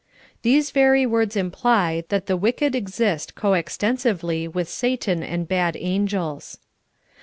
These very words imply that the wicked exist co extensively with Satan and bad angels.